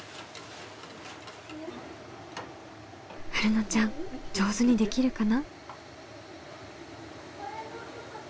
はるのちゃん上手にできるかな？